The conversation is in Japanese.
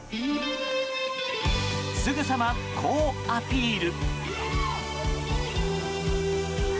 すぐさま、こうアピール。